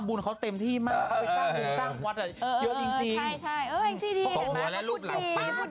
มันเริ่มเขียอะไรอีกแล้ววะอีกแล้ว